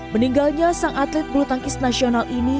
meninggalnya sang atlet bulu tangkis nasional ini